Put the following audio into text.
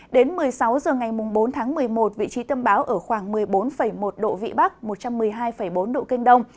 đến một mươi sáu h ngày bốn tháng một mươi một vị trí tâm báo ở khoảng một mươi bốn một độ vĩ bắc một trăm một mươi hai bốn độ kinh đông